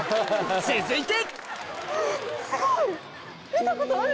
続いて！